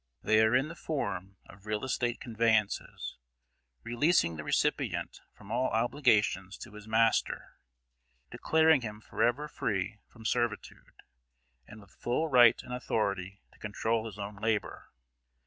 They are in the form of real estate conveyances, releasing the recipient from all obligations to his master; declaring him forever free from servitude, and with full right and authority to control his own labor.